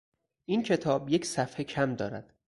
این کتاب یک صفحه کم دارد.